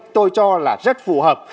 tôi cho là rất phù hợp